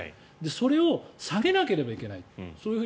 それを下げなければいけない